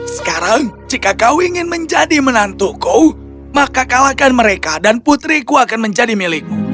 sekarang jika kau ingin menjadi menantuku maka kalahkan mereka dan putriku akan menjadi milikmu